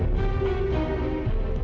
aku nggak tahu gimana caranya